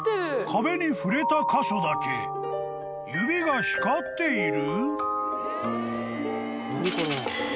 ［壁に触れた箇所だけ指が光っている？］